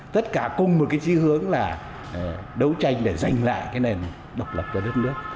tất cả cùng một chi hướng là đấu tranh để giành lại nền độc lập cho đất nước